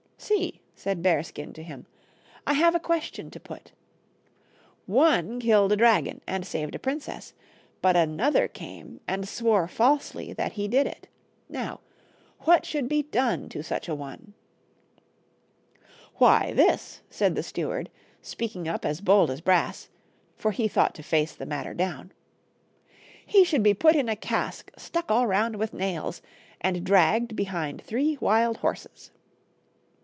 "See," said Bearskin to him, " I have a question to put. One killed a dragon and saved a princess, but another came and swore falsely that he did it. Now, what should be done to such a one ?" "Why this," said the steward, speaking up as bold as brass, for he thought to face the matter down, "he should be put in a cask stuck all round with nails, and dragged behind three wild horses."